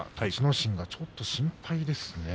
心がちょっと心配ですね。